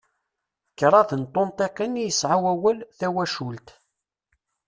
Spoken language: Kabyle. Kraḍ n tunṭiqin i yesɛa wawal "tawacult".